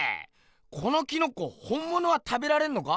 このキノコ本ものは食べられんのか？